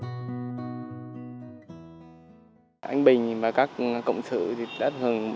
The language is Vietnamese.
với những người theo dõi di sản đa phần đều thừa nhận việc trùng tu di tích đã cẩn trọng hơn rất nhiều từ khi có tiếng nói của nhóm đình làng việt